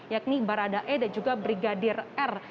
yakni baradae dan juga brigadir r